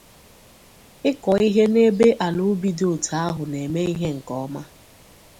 ịkọ ihe n’ebe ala ubi dị otu ahụ na-eme ihe nke ọma.